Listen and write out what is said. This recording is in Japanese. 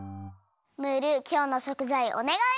ムールきょうのしょくざいおねがい！